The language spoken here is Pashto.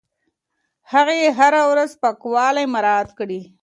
هغې هره ورځ پاکوالی مراعت کړی.